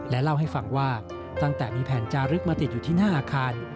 เล่าให้ฟังว่าตั้งแต่มีแผ่นจารึกมาติดอยู่ที่หน้าอาคาร